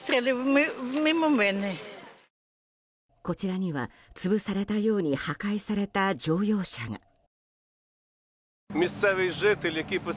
こちらには、つぶされたように破壊された乗用車が。